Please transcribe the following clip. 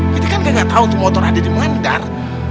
kita kan gak tau tuh motor ada dimana dar